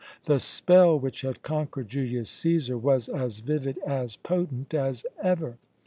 The spell which had conquered Julius Cæsar was as vivid, as potent as ever.